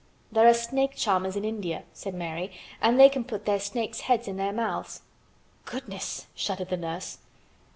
"There are snake charmers in India," said Mary. "And they can put their snakes' heads in their mouths." "Goodness!" shuddered the nurse.